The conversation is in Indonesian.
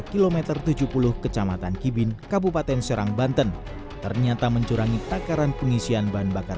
kilometer tujuh puluh kecamatan kibin kabupaten serang banten ternyata mencurangi takaran pengisian bahan bakar